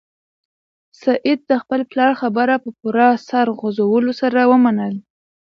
سعید د خپل پلار خبره په پوره سر خوځولو سره ومنله.